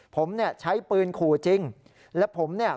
ผมเนี่ยใช้ปืนขู่จริงและผมเนี่ย